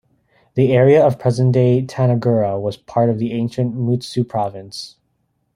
The area of present-day Tanagura was part of ancient Mutsu Province.